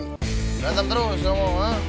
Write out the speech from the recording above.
gatap terus gak mau ha